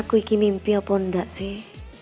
aku ini mimpi apa enggak sih